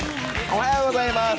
おはようございます。